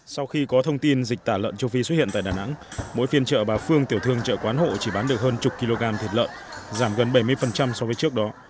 sau khi có thông tin dịch tả lợn châu phi xuất hiện tại đà nẵng mỗi phiên chợ bà phương tiểu thương chợ quán hộ chỉ bán được hơn chục kg thịt lợn giảm gần bảy mươi so với trước đó